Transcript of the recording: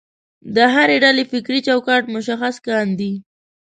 د هرې ډلې فکري چوکاټ مشخص کاندي.